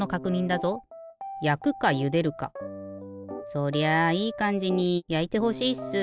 そりゃあいいかんじにやいてほしいっす。